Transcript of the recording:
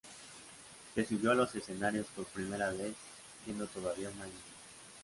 Se subió a los escenarios por primera vez siendo todavía una niña.